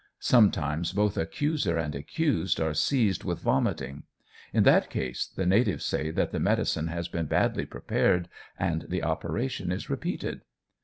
Sometimes both accuser and accused are seized with vomiting; in that case the natives say that the medicine has been badly prepared, and the operation is repeated.